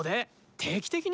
定期的に？